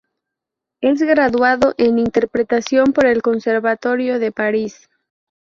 Es graduado en interpretación por el Conservatorio de París.